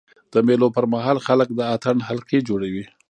د مېلو پر مهال خلک د اتڼ حلقې جوړوي.